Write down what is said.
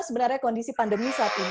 sebenarnya kondisi pandemi saat ini